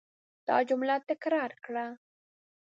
دا جمله تکرار کړه.